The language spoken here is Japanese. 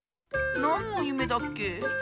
なんのゆめだっけ？